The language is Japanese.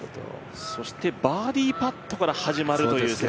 そしてバーディーパットから始まるという。